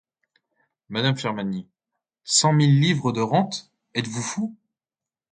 Madame Firmiani, cent mille livres de rente?... êtes-vous fou!